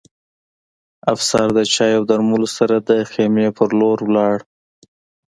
افسر د چای او درملو سره د خیمې په لور لاړ